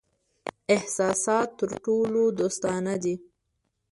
احساسات تر ټولو دوستانه دي.